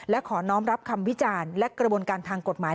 และขอน้องรับคำวิจารณ์และกระบวนการทางกฎหมาย